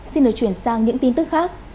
xin được chuyển sang những tin tức khác